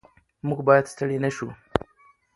موږ باید ستړي نه شو.